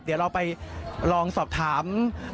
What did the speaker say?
เดี๋ยวเราไปลองสอบถาม